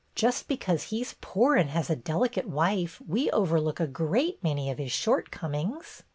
Just because he 's poor and has a delicate wife we overlook a great many of his shortcomings."